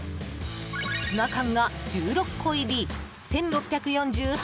ツナ缶が１６個入り、１６４８円。